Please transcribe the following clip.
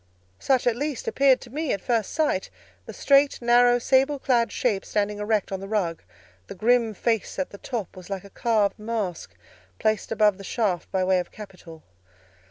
—such, at least, appeared to me, at first sight, the straight, narrow, sable clad shape standing erect on the rug: the grim face at the top was like a carved mask, placed above the shaft by way of capital.